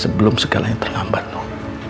sebelum segalanya terlambat noh